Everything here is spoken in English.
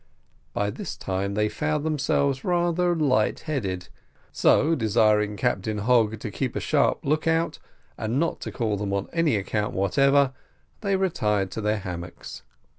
By this time they found themselves rather light headed, so, desiring Captain Hogg to keep a sharp lookout, and not to call them on any account whatever, they retired to their hammocks.